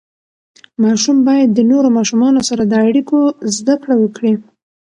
ماشوم باید د نورو ماشومانو سره د اړیکو زده کړه وکړي.